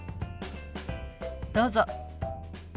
どうぞ。